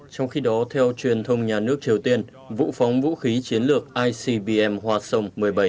trong khi đó theo truyền thông nhà nước triều tiên vụ phóng vũ khí chiến lược icbm hoa sông một mươi bảy